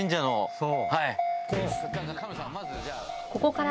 そう。